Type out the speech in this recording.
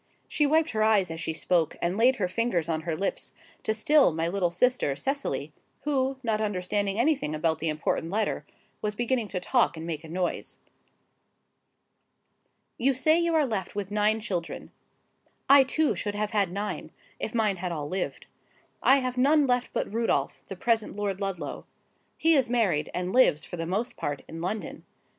She wiped her eyes as she spoke: and laid her fingers on her lips, to still my little sister, Cecily, who, not understanding anything about the important letter, was beginning to talk and make a noise. 'You say you are left with nine children. I too should have had nine, if mine had all lived. I have none left but Rudolph, the present Lord Ludlow. He is married, and lives, for the most part, in London.